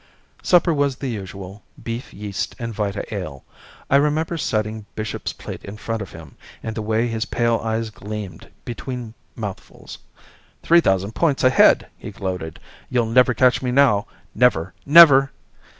Supper was the usual, beef yeast and vita ale. I remember setting Bishop's plate in front of him, and the way his pale eyes gleamed between mouthfuls. "Three thousand points ahead," he gloated. "You'll never catch me now. Never, never!"